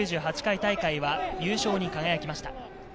９８回大会は優勝に輝きました。